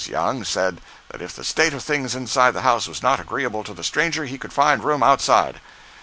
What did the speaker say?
Young said that if the state of things inside the house was not agreeable to the stranger, he could find room outside.